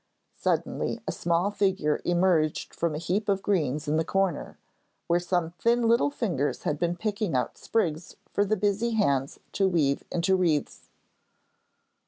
Suddenly a small figure emerged from a heap of greens in the corner, where some thin little fingers had been picking out sprigs for the busy hands to weave into wreaths.